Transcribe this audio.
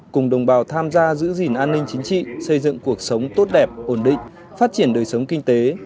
cùng đồng bào tham gia giữ gìn an ninh chính trị xây dựng cuộc sống tốt đẹp ổn định phát triển đời sống kinh tế